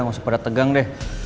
gak usah pada tegang deh